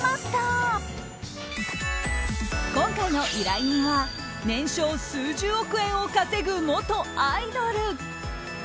今回の依頼人は年商数十億円を稼ぐ、元アイドル。